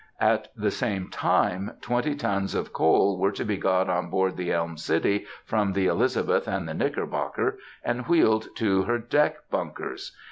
At the same time twenty tons of coal were to be got on board the Elm City from the Elizabeth and the Knickerbocker, and wheeled to her deck bunkers.